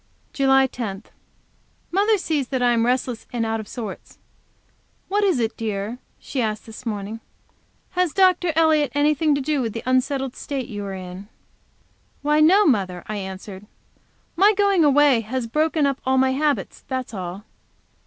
JULY 10. Mother sees that I am restless and out of sorts. "What is it, dear?" she asked, this morning. "Has Dr. Elliott anything to do with the unsettled state you are in?" "Why, no, mother," I answered. "My going away has broken up all my habits; that's all.